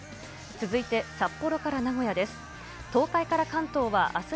続いて札幌から名古屋です。